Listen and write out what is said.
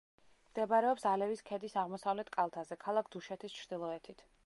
მდებარეობს ალევის ქედის აღმოსავლეთ კალთაზე, ქალაქ დუშეთის ჩრდილოეთით.